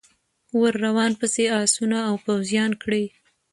ور روان پسي آسونه او پوځیان کړی